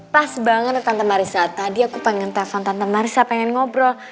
pas banget tante marissa tadi aku pengen telepon tante marissa pengen ngobrol